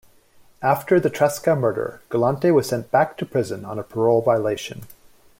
After the Tresca murder, Galante was sent back to prison on a parole violation.